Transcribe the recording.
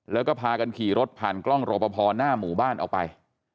แล้วก็พากันขี่รถผ่านกล้องรอปภหน้าหมู่บ้านออกไป